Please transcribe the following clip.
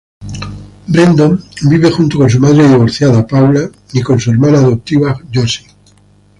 Brendon vive junto con su madre divorciada, Paula, y con su hermana adoptiva Josie.